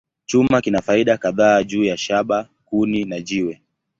Chuma kina faida kadhaa juu ya shaba, kuni, na jiwe.